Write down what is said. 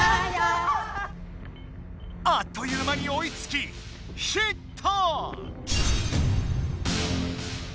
あっという間においつきヒット！